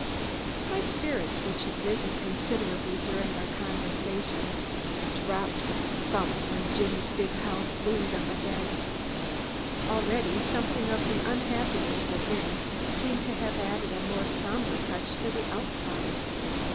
My spirits, which had risen considerably during our conversation, dropped with a slump when Jim's big house loomed up ahead. Already, something of the unhappiness within seemed to have added a more somber touch to the outside.